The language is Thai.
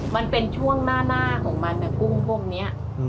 มันเป็นช่วงหน้าของมันกุ้งพวกนี้